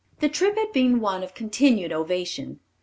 The trip had been one of continued ovation.